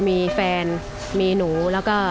มีแฟนมีหนูแล้วก็